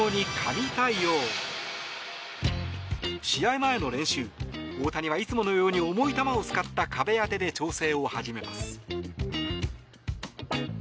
試合前の練習大谷がいつものように重い球を使った壁当てで調整を始めます。